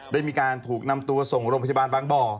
ได้มีการถูกนำตัวส่งโรงพยาบาลบางบ่อ